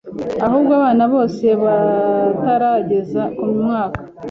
ahubwo abana bose batarageza ku mwaka